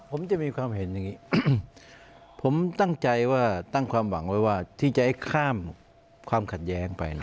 ผมจะมีความเห็นอย่างนี้ผมตั้งใจว่าตั้งความหวังไว้ว่าที่จะให้ข้ามความขัดแย้งไป